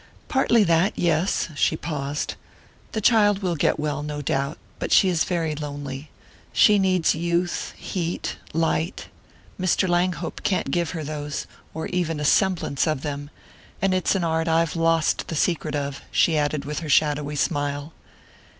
"Partly that yes." She paused. "The child will get well, no doubt; but she is very lonely. She needs youth, heat, light. Mr. Langhope can't give her those, or even a semblance of them; and it's an art I've lost the secret of," she added with her shadowy smile.